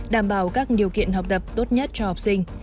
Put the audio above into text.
đảm bảo các điều kiện học tập tốt nhất cho học sinh